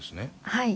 はい。